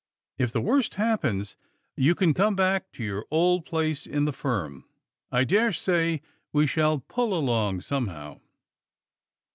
If the worst happens, you can come back to your old place in the firm. I dare say we shall pull along somehow."